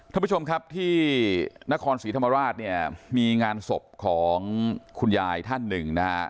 ท่านผู้ชมครับที่นครศรีธรรมราชเนี่ยมีงานศพของคุณยายท่านหนึ่งนะฮะ